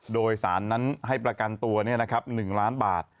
โดยสารนั้นให้ประกันตัวนี่นะครับหนึ่งล้านบาท